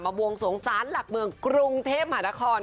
บวงสวงศาลหลักเมืองกรุงเทพมหานคร